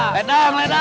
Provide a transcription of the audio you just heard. ledang ledang ledang